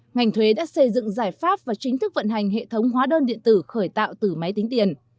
ngành thuế đã xây dựng giải pháp và chính thức vận hành hệ thống hóa đơn điện tử khởi tạo từ máy tính tiền